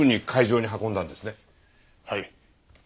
はい。